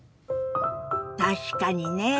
確かにね。